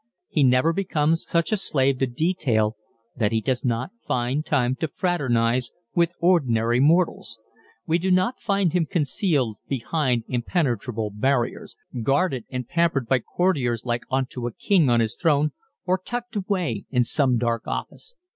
He never becomes such a slave to detail that he does not find time to fraternize with ordinary mortals. We do not find him concealed behind impenetrable barriers, guarded and pampered by courtiers like unto a king on his throne or tucked away in some dark office.